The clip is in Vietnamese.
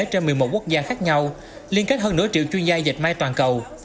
trên một mươi một quốc gia khác nhau liên kết hơn nửa triệu chuyên gia dệt may toàn cầu